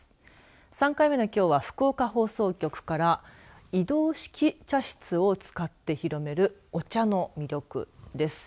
３回目のきょうは福岡放送局から移動式茶室を使って広めるお茶の魅力です。